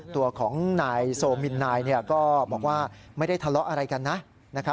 ตัวของนายโซมินนายก็บอกว่าไม่ได้ทะเลาะอะไรกันนะครับ